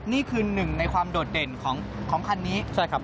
นี่คือหนึ่งในความโดดเด่นของคันนี้ใช่ครับ